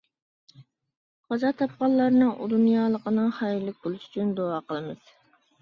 قازا تاپقانلارنىڭ ئۇ دۇنيالىقىنىڭ خەيرلىك بولۇشى ئۈچۈن دۇئا قىلىمىز.